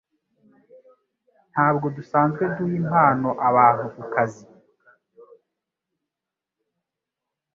Ntabwo dusanzwe duha impano abantu kukazi